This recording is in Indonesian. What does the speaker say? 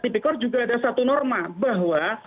tipikor juga ada satu norma bahwa